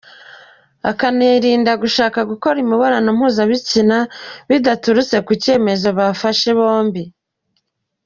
Akanirinda gushaka gukora imibonano mpuzabitsina bidaturutse ku cyemezo bafashe bombi.